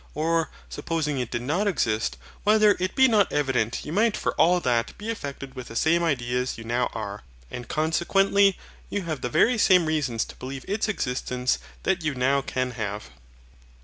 Or, supposing it did not exist, whether it be not evident you might for all that be affected with the same ideas you now are, and consequently have the very same reasons to believe its existence that you now can have.